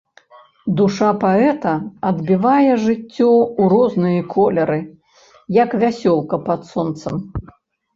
Душа паэта адбівае жыццё ў розныя колеры, як вясёлка пад сонцам.